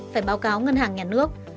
phải báo cáo ngân hàng nhà nước